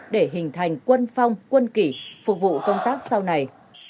để hình thành quân phong quân kỷ phục vụ công tác sau này